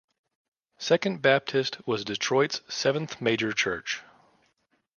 Second Baptist was Detroit's seventh major church.